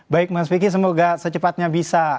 baik mas vicky semoga secepatnya bisa